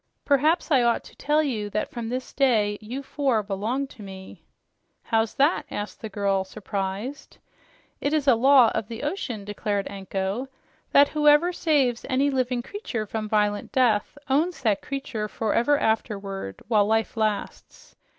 "Perhaps I ought to tell you that from this day you four belong to me." "How's that?" asked the girl, surprised. "It is a law of the ocean," declared Anko, "that whoever saves any living creature from violent death owns that creature forever afterward, while life lasts.